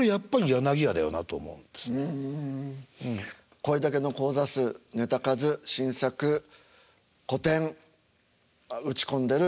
これだけの高座数ネタ数新作古典打ち込んでる